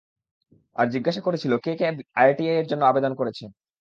আর জিজ্ঞাসা করেছিল কে কে আরটিআই-এর জন্য আবেদন করেছে।